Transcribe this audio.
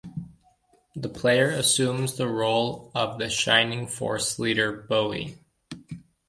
The player assumes the role of the Shining Force leader, Bowie.